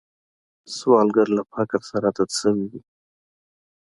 سوالګر له فقر سره عادت شوی وي